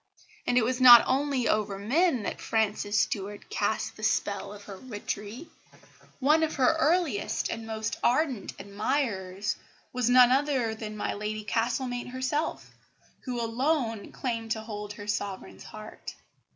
And it was not only over men that Frances Stuart cast the spell of her witchery. One of her earliest and most ardent admirers was none other than my Lady Castlemaine herself, who alone claimed to hold her Sovereign's heart.